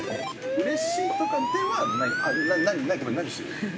◆うれしいとかではないか。何してるの？